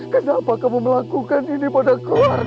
kenapa kau membunuh istriku